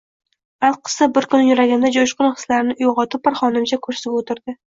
Alqissa, bir kuni yuragimda jo`shqin hislarni uyg`otib bir xonimcha kursiga o`tirdi